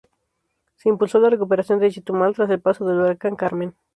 Se impulsó la recuperación de Chetumal tras el paso del huracán Carmen.